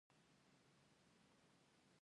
د بادیان ګل د شیدو لپاره وکاروئ